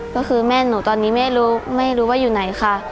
ก็คือแม่หนูตอนนี้ไม่รู้ไม่รู้ว่าอยู่ไหนค่ะ